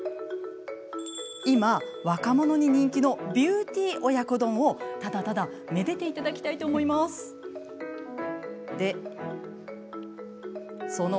今、若者に人気のビューティー親子丼をただただめでていただきましょう。